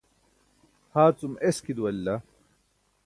haa cum eski duwalila